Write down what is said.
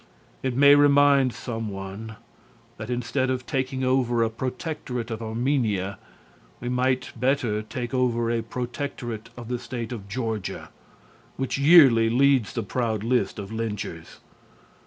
It may remind some one that instead of taking over a protectorate of Armenia we might better take over a protectorate of the State of Georgia, which yearly leads the proud list of lynchers.